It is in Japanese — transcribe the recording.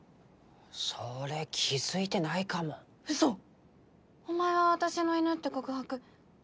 それ気づいてないかもウソ「お前は私の犬」って告白伝わってないの？